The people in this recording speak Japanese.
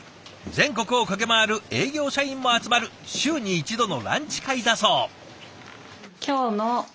全国を駆け回る営業社員も集まる週に一度のランチ会だそう。